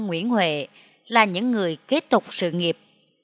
nguyễn huệ là những người kế tục sự nghiệp